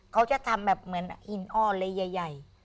เขาจะทำแบบเหมือนหินอ้อเลยใหญ่